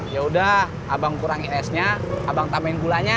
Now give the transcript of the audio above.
yaudah abang kurangin esnya abang tambahin gulanya